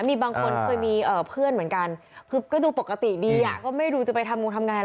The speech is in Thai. มีบางคนเคยมีเอ่อเพื่อนเหมือนกัน